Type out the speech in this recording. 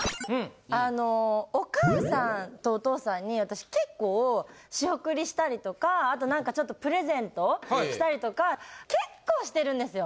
あのお母さんとお父さんに私結構仕送りしたりとかあと何かちょっとプレゼントしたりとか結構してるんですよ。